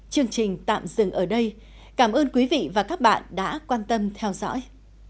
chương trình tạm dừng ở đây cảm ơn quý vị và các bạn đã quan tâm theo dõi